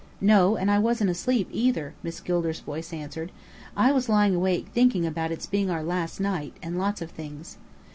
"No, and I wasn't asleep either," Miss Gilder's voice answered. "I was lying awake thinking about its being our last night and lots of things."